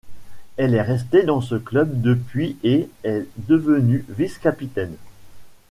Elle est restée dans ce club depuis et est devenue vice-capitaine.